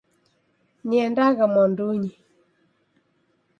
Niendagha mwandunyi.